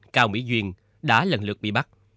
cao mỹ duyên đã lần lượt bị bắt